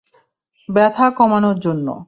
ব্যথা কমানোর জন্য।